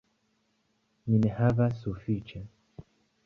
Mi ne havas sufiĉe.